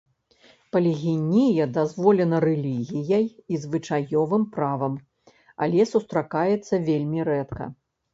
Палігінія дазволена рэлігіяй і звычаёвым правам, але сустракаецца вельмі рэдка.